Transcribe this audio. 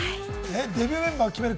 デビューメンバーを決める